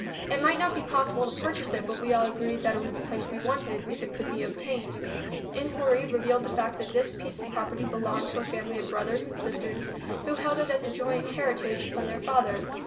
It might not be possible to purchase it, but we all agreed that it was the place we wanted, if it could be obtained. Inquiry revealed the fact that this piece of property belonged to a family of brothers and sisters who held it as joint heritage from their father.